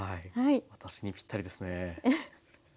私にぴったりですね。